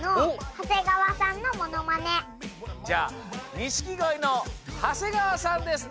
じゃあ錦鯉の長谷川さんです